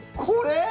これ？